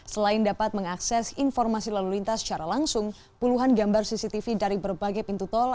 selain dapat mengakses informasi lalu lintas secara langsung puluhan gambar cctv dari berbagai pintu tol